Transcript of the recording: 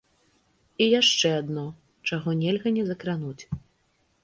І яшчэ адно, чаго нельга не закрануць.